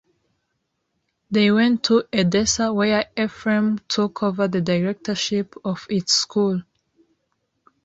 They went to Edessa, where Ephrem took over the directorship of its school.